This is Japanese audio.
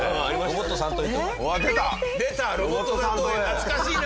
懐かしいな！